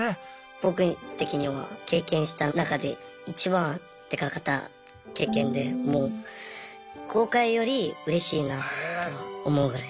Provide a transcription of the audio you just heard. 僕的には経験した中でいちばんでかかった経験でもう後悔よりうれしいなと思うぐらい。